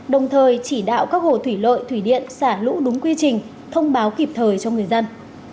đồng thời chỉ đạo các hồ thủy lợi thủy điện xả lũ đúng quy trình thông báo kịp thời cho người dân